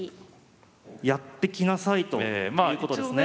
やってきなさいということですね？